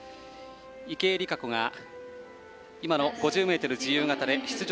池江璃花子が今の５０ｍ自由形で、出場